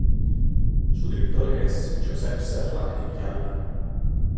Su director es Josep Serra i Villalba.